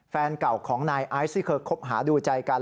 แฟนเก่าของนายไอซ์ที่เคยคบหาดูใจกัน